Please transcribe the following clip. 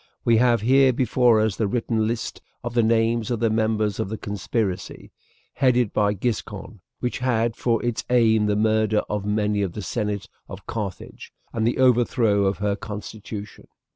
We have here before us the written list of the names of the members of the conspiracy, headed by Giscon, which had for its aim the murder of many of the senate of Carthage and the overthrow of her constitution.